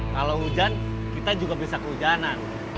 kalau hujan kita juga bisa kehujanan